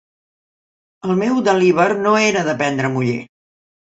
El meu deliber no era de prendre muller.